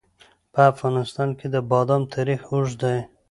په افغانستان کې د بادام تاریخ اوږد دی.